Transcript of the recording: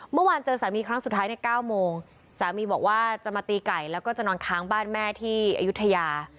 เมื่อวานเจอสามีครั้งสุดท้ายใน๙โมงสามีบอกว่าจะมาตีไก่แล้วก็จะนอนค้างบ้านแม่ที่อายุทยา